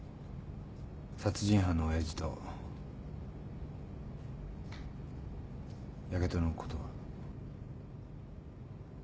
殺人犯の親父とヤケドのことは。